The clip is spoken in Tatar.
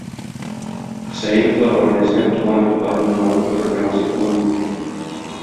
Хөсәеновлар гаиләсенә туган якларын яңадан күрергә насыйп булмый.